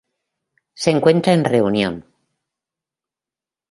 Se encuentra en Reunión.